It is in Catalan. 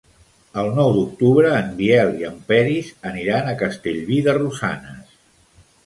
El nou d'octubre en Biel i en Peris aniran a Castellví de Rosanes.